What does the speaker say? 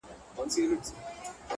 ښكلو ته كاته اكثر!